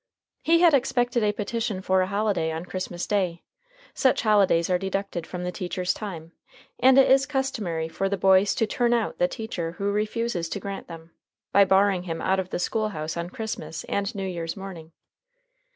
He had expected a petition for a holiday on Christmas day. Such holidays are deducted from the teacher's time, and it is customary for the boys to "turn out" the teacher who refuses to grant them, by barring him out of the school house on Christmas and New Year's morning.